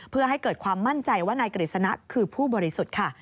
เพื่อให้เกิดความมั่นใจว่านายกฤษณะคือผู้บริสุทธิ์ค่ะ